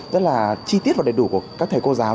rất là chi tiết và đầy đủ của các thầy cô giáo